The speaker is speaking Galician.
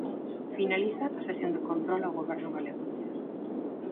Finaliza a sesión de control ao goberno galego.